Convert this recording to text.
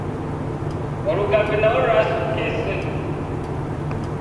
Olugave nalwo lwasukka ensonyi.